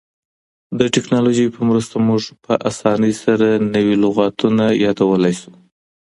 د ټکنالوژۍ په مرسته موږ په اسانۍ سره نوي لغتونه یادولای سو.